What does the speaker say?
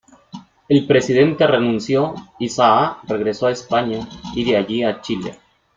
El presidente renunció y Saá regresó a España, y de allí a Chile.